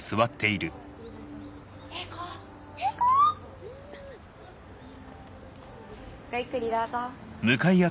ごゆっくりどうぞ。